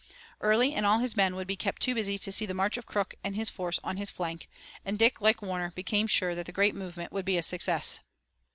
Early and all his men would be kept too busy to see the march of Crook and his force on his flank, and Dick, like Warner, became sure that the great movement would be a success.